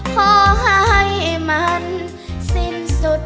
ขอให้มันสิ้นสุด